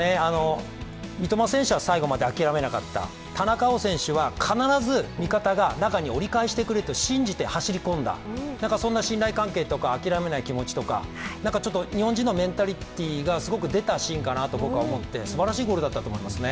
三笘選手は最後まで諦めなかった、田中碧選手は必ず味方が中に折り返してくれると信じて走り込んだ、そんな信頼関係とか諦めない気持ちとかちょっと日本人のメンタリティーがすごく出たシーンかなと僕は思って、すばらしいと思いますね。